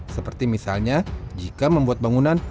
seperti misalnya jika membuat bangunan